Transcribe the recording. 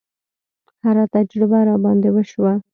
هره تجربه راباندې وشوه.